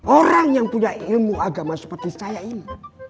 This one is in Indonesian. orang yang punya ilmu agama seperti saya ini